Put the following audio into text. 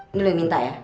ini lo yang minta ya